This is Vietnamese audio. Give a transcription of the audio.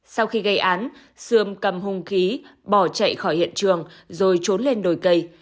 sau khi gây án sườm cầm hung khí bỏ chạy khỏi hiện trường rồi trốn lên đồi cây